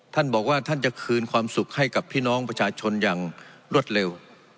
ท่านบอกว่าท่านจะคืนความสุขให้กับพี่น้องประชาชนอย่างรวดเร็ว